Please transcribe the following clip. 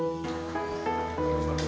bener enggak pengen sekolah lagi